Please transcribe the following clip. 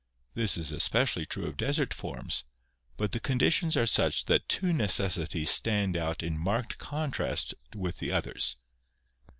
This is especially true of desert forms, but the conditions are such that two necessities stand out in marked contrast with the others.